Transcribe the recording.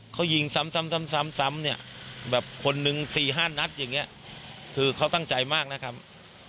เขายิงซ้ำซ้ำเนี่ยแบบคนนึง๔๕นัดอย่างนี้คือเขาตั้งใจมากนะครับ